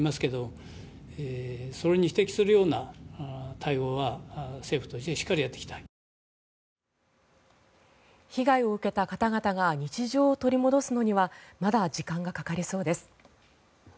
今後、政府としての対応については。被害を受けた方々が日常を取り戻すのにはまだ時間がかかりそうです。